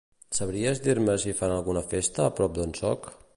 Sabries dir-me si fan alguna festa a prop d'on soc?